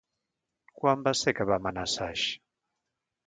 Quan va ser que vam anar a Saix?